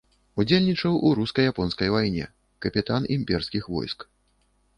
Удзельнічаў у руска-японскай вайне, капітан імперскіх войск.